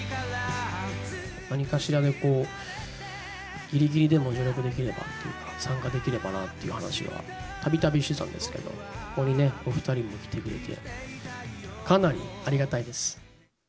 何かしらでこう、ぎりぎりでも助力できればっていうのは、参加できればなっていう話はたびたびしてたんですけど、ここにお２人も来てくれて、かなりありがたいです。